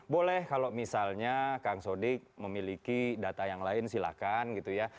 boleh kalau misalnya kang sodik memiliki data yang lain silahkan gitu ya